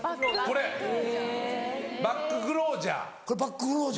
これバッグ・クロージャー。